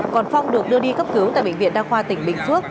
còn phong được đưa đi cấp cứu tại bệnh viện đa khoa tỉnh bình phước